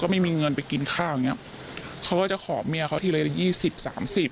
ไม่มีเงินไปกินข้าวอย่างเงี้ยเขาก็จะขอเมียเขาทีละยี่สิบสามสิบ